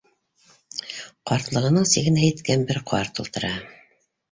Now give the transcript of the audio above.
Ҡартлығының сигенә еткән бер ҡарт ултыра.